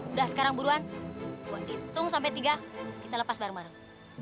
udah sekarang buruan hitung sampai tiga kita lepas bareng bareng